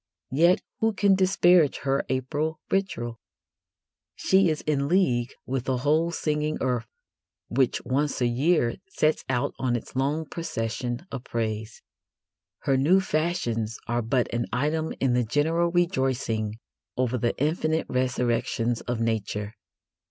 Yet who can disparage her April ritual? She is in league with the whole singing earth, which once a year sets out on its long procession of praise. Her new fashions are but an item in the general rejoicing over the infinite resurrections of Nature.